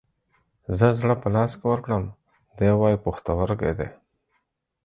زه زړه په لاس کې ورکړم ، دى واي پښتورگى دى.